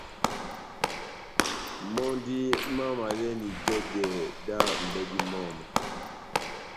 Mɔ́ndí mámavalɛ́ni itɛ́dɛ dá m’bɛ́dí mɔmu.